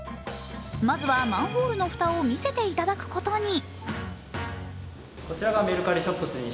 まずはマンホールの蓋を見せていただくことに。